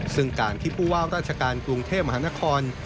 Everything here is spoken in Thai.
ซึ่งการที่ผู้ว่าราชการกรุงเทพมหานคร